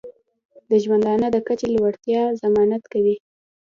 د ژوندانه د کچې د لوړتیا ضمانت کوي.